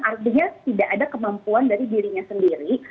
artinya tidak ada kemampuan dari dirinya sendiri